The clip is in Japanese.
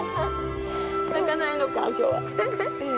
泣かないのか、きょうは。